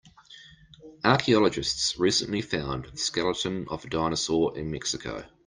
Archaeologists recently found the skeleton of a dinosaur in Mexico.